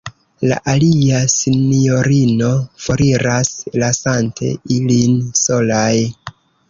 La alia sinjorino foriras, lasante ilin solaj.